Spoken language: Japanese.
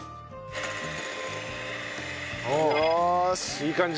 いい感じ？